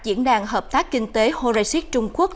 diễn đàn hợp tác kinh tế horexit trung quốc